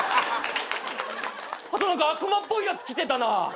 あと何か悪魔っぽいやつ来てたなぁ。